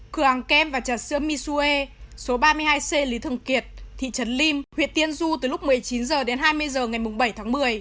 cửa hàng kem và trà sữa misuê số ba mươi hai c lý thường kiệt thị trấn lim huyện tiên du từ lúc một mươi chín h đến hai mươi h ngày bảy tháng một mươi